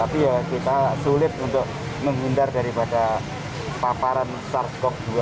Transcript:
tapi ya kita sulit untuk menghindar daripada paparan sars cov dua